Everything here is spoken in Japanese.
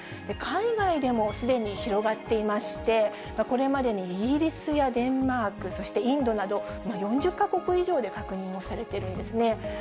海外でもすでに広がっていまして、これまでにイギリスやデンマーク、そしてインドなど、４０か国以上で確認をされているんですね。